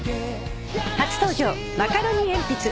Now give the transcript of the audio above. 初登場マカロニえんぴつ。